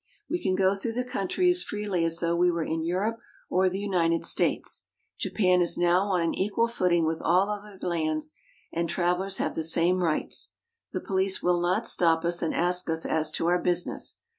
We can go through the country as freely as though we were in Europe or the United States. Japan is now on an equal footing with all other lands, and travelers have the same rights. The police will not stop us and ask us as to our business.